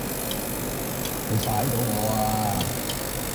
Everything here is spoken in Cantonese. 你踩到我呀